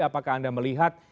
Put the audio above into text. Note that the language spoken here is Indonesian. apakah anda melihat